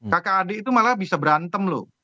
kakak adik itu malah bisa berantem loh